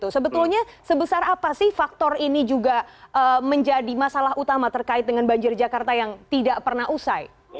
sebetulnya sebesar apa sih faktor ini juga menjadi masalah utama terkait dengan banjir jakarta yang tidak pernah usai